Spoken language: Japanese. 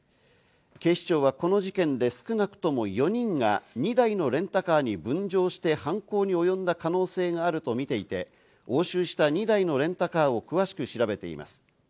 警視庁はこの事件で少なくとも４人が２台のレンタカーに分乗して犯行におよんだ可能性があるとみて、押収した２台のレンタカーを詳しく調べています。